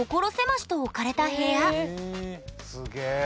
すげえ。